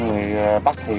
người bắc thì